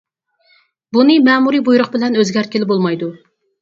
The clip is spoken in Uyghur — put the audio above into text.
بۇنى مەمۇرىي بۇيرۇق بىلەن ئۆزگەرتكىلى بولمايدۇ.